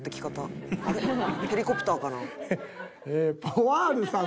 ヘリコプターかな」